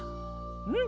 うん。